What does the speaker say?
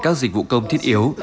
các dịch vụ công thiết yếu